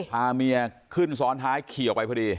พาเมียขึ้นซ้อนท้ายขี่ออกไปพอดี